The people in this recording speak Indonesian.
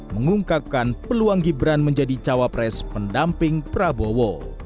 mengungkapkan peluang gibran menjadi cawapres pendamping prabowo